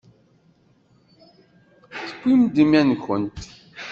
Tewwimt-d iman-nkent.